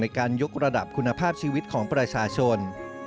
การยกระดับคุณภาพชีวิตของประชาชน